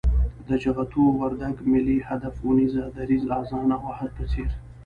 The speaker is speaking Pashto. د جغتو، وردگ، ملي هدف اونيزه، دريځ، آذان او عهد په څېر